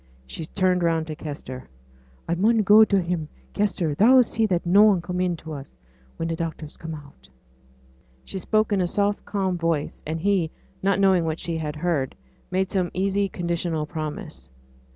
She turned round to Kester. 'I mun go to him, Kester; thou'll see that noane come in to us, when t' doctors come out.' She spoke in a soft, calm voice; and he, not knowing what she had heard, made some easy conditional promise.